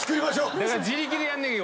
だから自力でやんなきゃ。